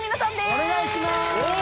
お願いします。